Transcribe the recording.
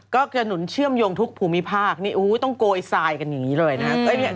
ก็กระหนุนเชื่อมโยงทุกภูมิภาคนี่ต้องโกยทรายกันอย่างนี้เลยนะครับ